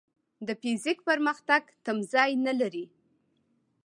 د فزیک پرمختګ تمځای نه لري.